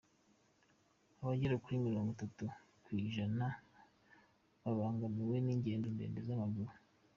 Abagera kuri mirongo itatu kwi ijana babangamiwe n’ingendo ndende z’amaguru